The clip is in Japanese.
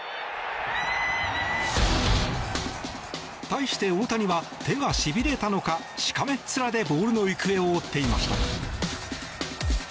対して大谷は手がしびれたのかしかめっ面でボールの行方を追っていました。